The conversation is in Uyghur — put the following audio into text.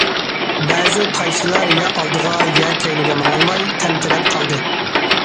بەزى پايچىلار يا ئالدىغا يا كەينىگە ماڭالماي تەمتىرەپ قالدى.